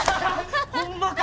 ホンマか！